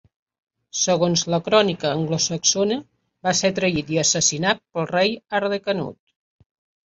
Segons la "Crònica anglosaxona", va ser traït i assassinat pel rei Hardecanut.